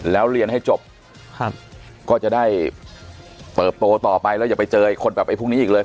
แล้วเรียนให้จบครับก็จะได้เติบโตต่อไปแล้วอย่าไปเจอคนแบบไอ้พวกนี้อีกเลย